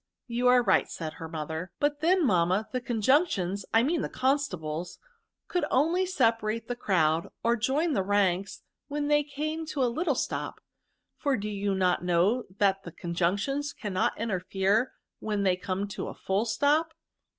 ^." You are right," said her mother. '* But then, mammae the Conjunetions — I mean the constables ;— could only separate the crowd, or join the ranks when they came to a little stop ; for do you not know that the C<m jimctions cannot interfere when they come to a full stop."